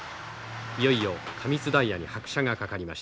いよいよ過密ダイヤに拍車がかかりました。